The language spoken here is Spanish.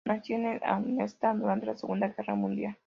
Nació en Amsterdam, durante la Segunda Guerra Mundial.